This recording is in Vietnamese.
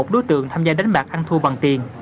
một mươi đối tượng tham gia đánh bạc ăn thu bằng tiền